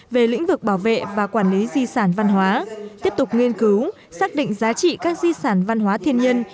về lĩnh vực bảo vệ và quản lý di sản văn hóa tiếp tục nghiên cứu xác định giá trị các di sản văn hóa thiên nhiên